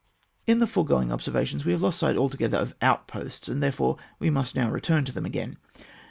In the foregoing observations we have lost sight altogether of outposts, and therefore we must now return to them again.